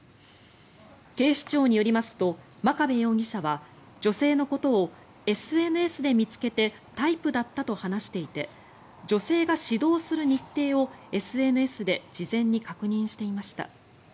警視庁によりますと眞壁容疑者は女性のことを、ＳＮＳで見つけてタイプだったと話していて女性が指導する日程をＳＮＳで事前に確認していました。